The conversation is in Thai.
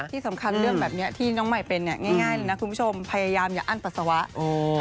ที่สำคัญเรื่องแบบนี้ที่น้องใหม่เป็นเนี่ยง่ายเลยนะคุณผู้ชมพยายามอย่าอั้นปัสสาวะ